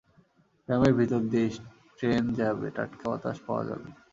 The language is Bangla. গ্রামের ভেতর দিয়ে স্ট্রেন যাবে, টাটকা বাতাস পাওয়া যাবে।